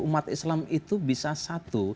umat islam itu bisa satu